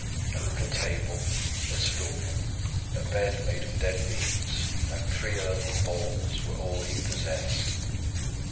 A little table, a stool, a bed made of dead leaves and three earthen bowls were all he possessed.